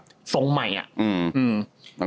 กลับมาส่งใหม่